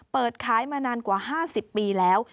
เปิดขายมานานกว่า๕๐ปีแล้ว